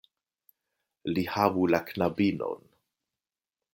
Li havu la knabinon."